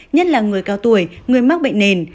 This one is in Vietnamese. nhất là người cao tuổi người mắc bệnh nền